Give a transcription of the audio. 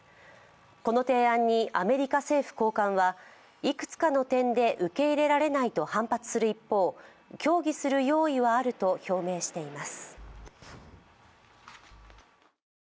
この提案にアメリカ政府高官はいくつかの点で受け入れられないと反発する一方、協議する用意はあると表明しています。